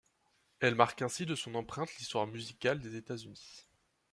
Elle marque ainsi de son empreinte l'histoire musicale des États-Unis.